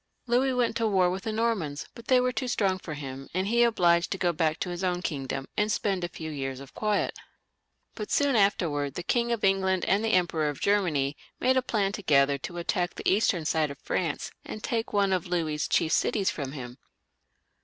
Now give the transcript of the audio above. Louis went to war with the Normans,, but they were too strong for him, and he was obliged to go back to his own kingdom, and spend a few years of quiet. But soon after, the King of England and the Emperor of Germany made a plan together to attack the eastern side of France, and take one of Louis's chief cities from him.